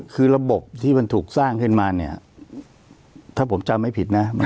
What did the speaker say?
คือระบบที่มันถูกสร้างขึ้นมาเนี่ยถ้าผมจำไม่ผิดนะ